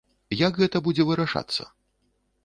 Як гэта будзе вырашацца?